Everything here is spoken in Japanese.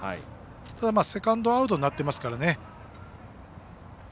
ただ、セカンドアウトになってますからね。